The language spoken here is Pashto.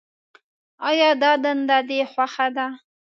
آیا دا دنده دې خوښه ده.